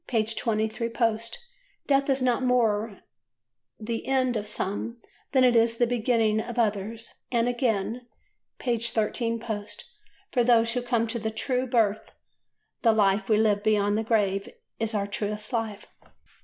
23 post), "Death is not more the end of some than it is the beginning of others"; and, again (p. 13 post), for those who come to the true birth the life we live beyond the grave is our truest life.